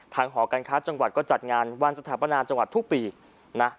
หอการค้าจังหวัดก็จัดงานวันสถาปนาจังหวัดทุกปีนะ